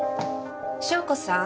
翔子さん？